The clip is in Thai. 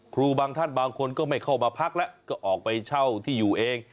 ครูบางท่านบางคนก็ไม่เข้ามาพักแล้วก็ออกไปเช่าที่อยู่เอง